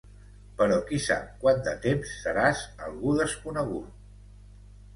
Però qui sap quant de temps seràs algú desconegut?